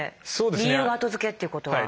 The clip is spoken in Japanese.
理由が後付けっていうことは。